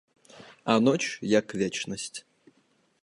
А ноч, як вечнасць.